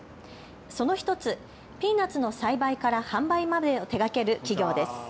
その１つ、ピーナツの栽培から販売までを手がける企業です。